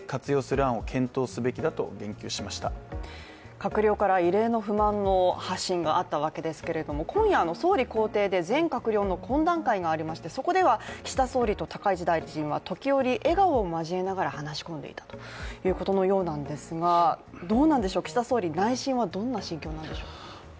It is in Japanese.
閣僚から異例の不満の発信があったわけですが今夜、総理公邸で全閣僚の懇談会がありましてそこでは岸田総理と高市大臣は時折笑顔を交えながら話し込んでいたということのようなんですがどうなんでしょう、岸田総理、内心はどんな心境なんでしょう？